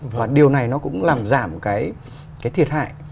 và điều này nó cũng làm giảm cái thiệt hại